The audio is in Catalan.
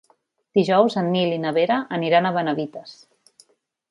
Dijous en Nil i na Vera aniran a Benavites.